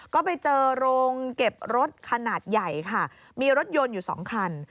ก็ไปเจอโรงเก็บรถขนาดใหญ่ค่ะมีรถยนต์อยู่สองคัน